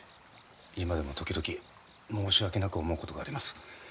今でも時々申し訳なく思うことがあります。